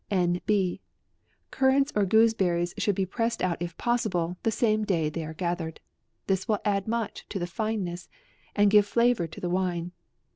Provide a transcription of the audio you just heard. " N. B. Currants or gooseberries should be pressed out if possible, the same day they are gathered. This will add much to the fine ness, and give flavour to the wine.